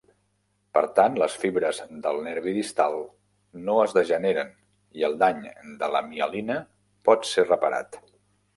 Per tant, les fibres del nervi distal no es degeneren i el dany de la mielina pot ser reparat.